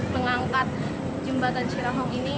mengangkat jembatan cirehong ini